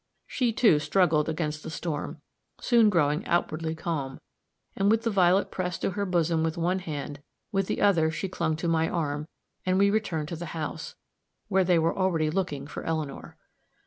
She, too, struggled against the storm, soon growing outwardly calm, and with the violet pressed to her bosom with one hand, with the other she clung to my arm, and we returned to the house, where they were already looking for Eleanor.